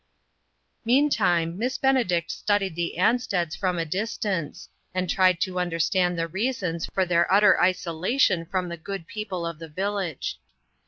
Meantime, Miss Benedict studied the Ansteds from a distance, and tried to un derstand the reasons for their utter isola tion from the good people of the village.